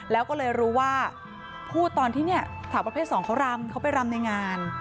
แล้วก็เลยรู้ว่าพูดตอนที่เนี่ยสาวประเภทสองเขารำเขาไปรำในงาน